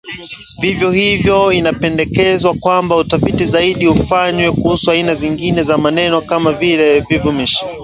Vivyo hivyo inapendekezwa kwamba utafiti zaidi ufanywe kuhusu aina zingine za maneno kama vile vivumishi